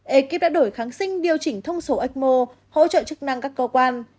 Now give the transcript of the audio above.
ekip đã đổi kháng sinh điều chỉnh thông số ecmo hỗ trợ chức năng các cơ quan